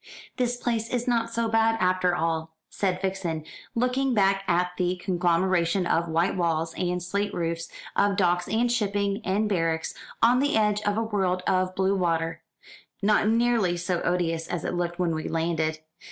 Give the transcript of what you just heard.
"The place is not so bad, after all," said Vixen, looking back at the conglomeration of white walls and slate roofs, of docks and shipping, and barracks, on the edge of a world of blue water, "not nearly so odious as it looked when we landed.